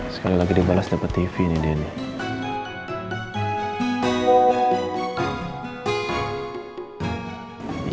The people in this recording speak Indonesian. sekali lagi dibalas dapet tv nih dia nih